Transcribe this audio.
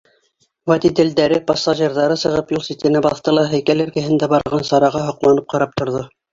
Водителдәре, пассажирҙары сығып юл ситенә баҫты ла һәйкәл эргәһендә барған сараға һоҡланып ҡарап торҙо.